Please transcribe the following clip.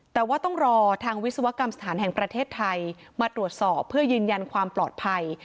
แต่ว่าต้องรอทางวิศวกรรมสถานแห่งประเทศไทยมาตรวจสอบเพื่อยืนยันความปลอดภัย